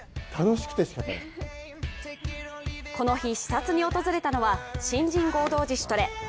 この日、視察に訪れたのは新人合同自主トレ。